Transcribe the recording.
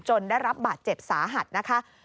ได้รับบาดเจ็บสาหัสนะคะ